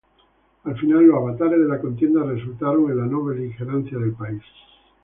Al final, los avatares de la contienda resultaron en la no beligerancia del país.